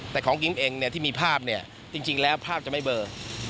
แต่ของกิ๊มเองเนี่ยที่มีภาพเนี่ยจริงแล้วภาพจะไม่เบอร์